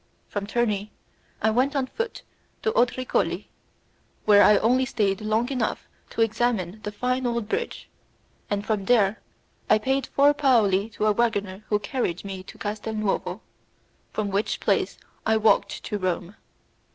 From Terni I went on foot to Otricoli, where I only stayed long enough to examine the fine old bridge, and from there I paid four paoli to a waggoner who carried me to Castel Nuovo, from which place I walked to Rome.